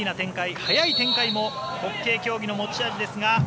速い展開もホッケー競技の持ち味ですが。